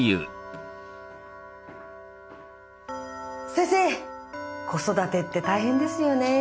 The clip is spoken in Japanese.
先生子育てって大変ですよね。